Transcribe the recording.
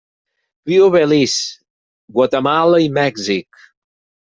Viu a Belize, Guatemala i Mèxic.